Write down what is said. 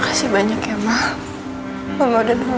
mada ada kerja melted mah